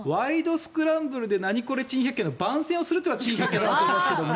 スクランブル」で「ナニコレ珍百景」の番宣をするというのが珍百景だと思いますけどね。